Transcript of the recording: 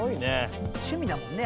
「趣味だもんね